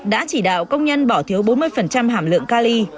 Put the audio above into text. đã chỉ đạo công nhân bỏ thiếu bốn mươi hàm lượng cali